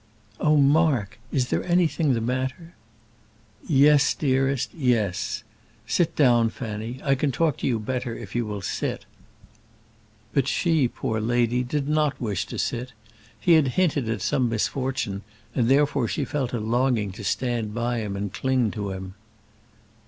"Oh, Mark, is there anything the matter?" "Yes, dearest; yes. Sit down, Fanny; I can talk to you better if you will sit." But she, poor lady, did not wish to sit. He had hinted at some misfortune, and therefore she felt a longing to stand by him and cling to him.